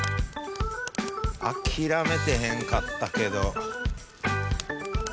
あきらめてへんかったけど。